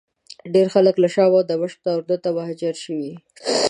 ډېر خلک له شام او دمشق نه اردن ته مهاجر شوي.